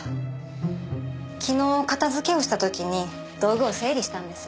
昨日片付けをした時に道具を整理したんです。